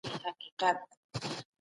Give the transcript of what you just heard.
تدريس د وخت چوکاټ لري.